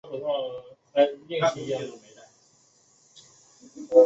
所以当年的国家足球队有不少来自香港的选手。